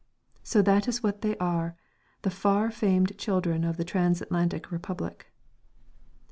So that is what they are, the far famed children of the transatlantic republic!